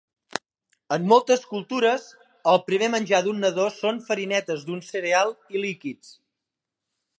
En moltes cultures, el primer menjar d'un nadó son farinetes d'un cereal i líquids.